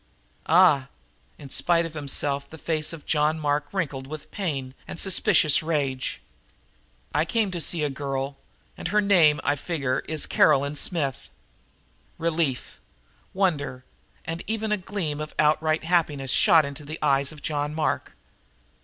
"Ah?" In spite of himself the face of John Mark wrinkled with pain and suspicious rage. "I came to see a girl, and her name, I figure, is Caroline Smith." Relief, wonder, and even a gleam of outright happiness shot into the eyes of John Mark.